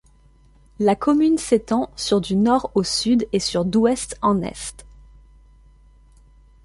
La commune s'étend sur du nord au sud et sur d'ouest en est.